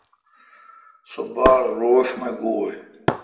سو باڑ روݭ می گوی۔